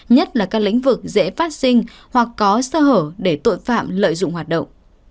nhất là các lĩnh vực dễ phát sinh hoặc có sơ hở để tội phạm lợi dụng hoạt động